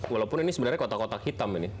walaupun ini sebenarnya kotak kotak hitam ini